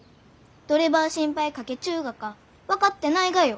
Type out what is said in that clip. どればあ心配かけちゅうがか分かってないがよ。